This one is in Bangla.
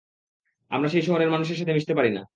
আমরা সেই শহরের মানুষের সাথে মিশতে পারি না।